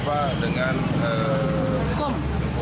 bahkan dengan beton